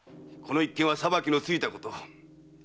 この一件は裁きのついたこと。